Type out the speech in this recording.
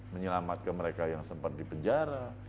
menyelamatkan mereka yang sempat di penjara